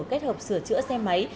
kết hợp sửa chữa xe máy